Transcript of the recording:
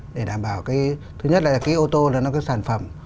để đảm bảo thứ nhất là ô tô là sản phẩm